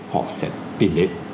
chúng ta sẽ tìm đến